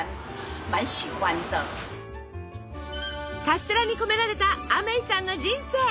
カステラに込められたアメイさんの人生。